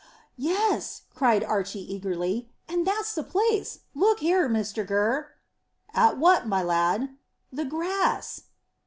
"Yes," cried Archy eagerly; "and that's the place. Look here, Mr Gurr." "What at, my lad?" "The grass."